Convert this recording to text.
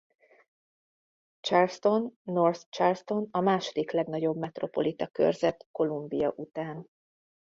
Charleston-North Charleston a második legnagyobb metropolita körzet Columbia után.